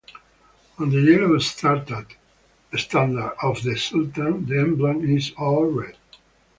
On the yellow standard of the Sultan, the emblem is all red.